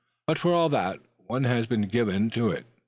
But for all that, one has been given to it.